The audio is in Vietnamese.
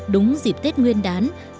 đúng dịp tết nguyên đá này